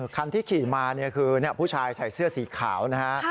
คันที่ขี่มาคือผู้ชายใส่เสื้อสีขาวนะฮะ